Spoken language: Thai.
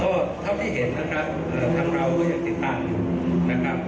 ก็เท่าที่เห็นนะครับทางเราก็ยังติดตามอยู่นะครับ